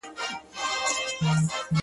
دا لکه ماسوم ته چي پېښې کوې _